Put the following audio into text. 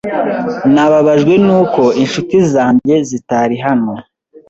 Nababajwe nuko inshuti zanjye zitari hano.